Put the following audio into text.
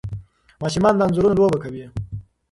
ماشومان د انځورونو لوبه کوي.